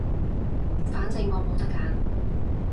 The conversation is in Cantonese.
反正我都冇得揀